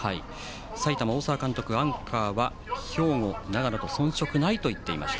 埼玉の大澤監督はアンカーは兵庫、長野と遜色ないといっていました。